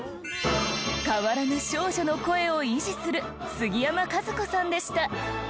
変わらぬ少女の声を維持する杉山佳寿子さんでした。